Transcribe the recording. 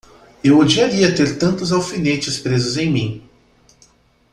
Eu odiaria ter tantos alfinetes presos em mim!